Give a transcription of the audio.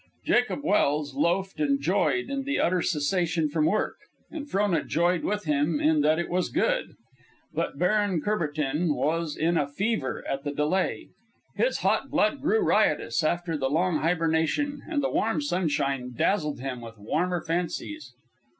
Jacob Welse loafed and joyed in the utter cessation from work, and Frona joyed with him in that it was good. But Baron Courbertin was in a fever at the delay. His hot blood grew riotous after the long hibernation, and the warm sunshine dazzled him with warmer fancies.